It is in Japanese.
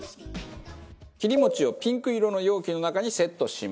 切り餅をピンク色の容器の中にセットします。